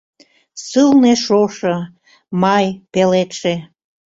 Сылне шошо: май, пеледше…